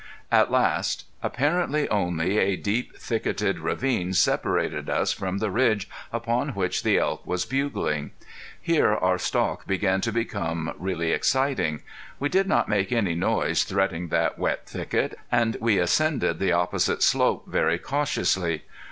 At last, apparently only a deep thicketed ravine separated us from the ridge upon which the elk were bugling. Here our stalk began to become really exciting. We did not make any noise threading that wet thicket, and we ascended the opposite slope very cautiously.